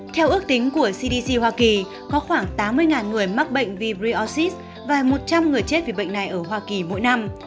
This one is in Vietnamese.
theo ước tính của cdc hoa kỳ có khoảng tám mươi người mắc bệnh vì brexid và một trăm linh người chết vì bệnh này ở hoa kỳ mỗi năm